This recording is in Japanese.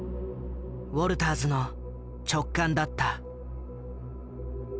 ウォルターズの直感だった。